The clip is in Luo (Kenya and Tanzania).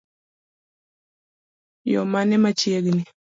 Yoo mane machiegni?